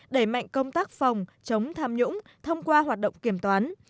đẩy mạnh công tác phòng chống tham nhũng thông qua hoạt động kiểm toán